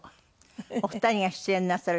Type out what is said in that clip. お二人が出演なさる